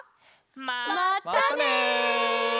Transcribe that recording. またね！